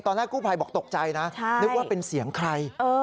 ตอนแรกกู้ภัยบอกตกใจนะนึกว่าเป็นเสียงใคร